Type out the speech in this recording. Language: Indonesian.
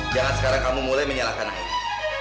jangan sekarang kamu mulai menyalahkan air